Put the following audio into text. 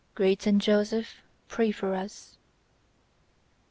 "Great St. Joseph, pray for us..."